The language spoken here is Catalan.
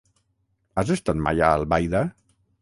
Has estat mai a Albaida?